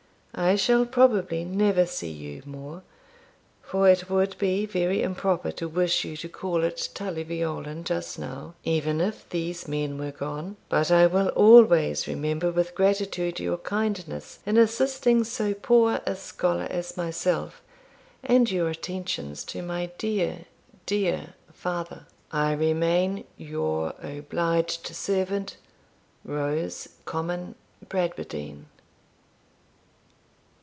I shall probaby never see you more; for it would be very improper to wish you to call at Tully Veolan just now, even if these men were gone; but I will always remember with gratitude your kindness in assisting so poor a scholar as myself, and your attentions to my dear, dear father. I remain, your obliged servant, ROSE COMYNE BRADWARDINE.